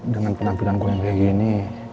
dengan penampilan gue yang kayak gini